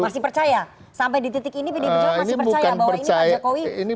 masih percaya sampai di titik ini pdi perjuangan masih percaya bahwa ini pak jokowi